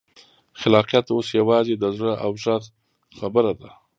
خلاقیت اوس یوازې د زړه او غږ خبره ده.